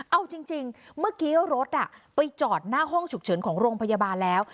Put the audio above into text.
เอาจริงเมื่อกี้รถไปจอดหน้าห้องฉุกเฉินของโรงพยาบาลแล้ว